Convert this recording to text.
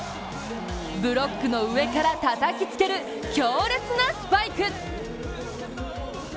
ブロックの上からたたきつける強烈なスパイク。